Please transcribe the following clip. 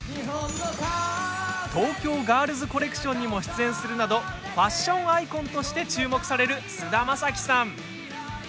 東京ガールズコレクションにも出演するなどファッションアイコンとして注目される菅田将暉さん。